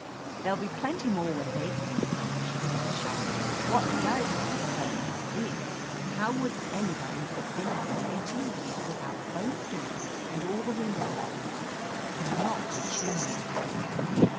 "There'll be plenty more where they came from," she said sharply. "What does concern us is — how would anybody or anything get in here with both doors and all the windows locked, and not a chimney."